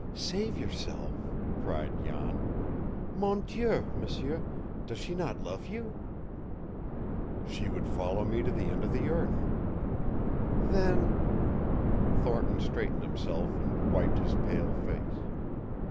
"Save yourself!" cried Jan. "Mon Dieu, m'sieur does she not love you?" "She would follow me to the end of the earth!" "Then " Thornton straightened himself and wiped his pale face.